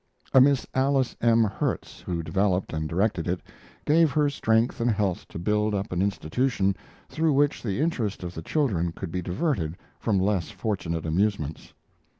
A Miss Alice M. Herts, who developed and directed it, gave her strength and health to build up an institution through which the interest of the children could be diverted from less fortunate amusements.